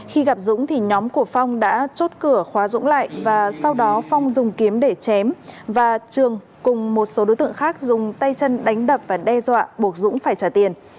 khi gặp dũng thì nhóm của phong đã chốt cửa khóa dũng lại và sau đó phong dùng kiếm để chém và trường cùng một số đối tượng khác dùng tay chân đánh đập và đe dọa buộc dũng phải trả tiền